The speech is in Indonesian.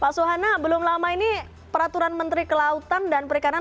pak suhana belum lama ini peraturan menteri kelautan dan perikanan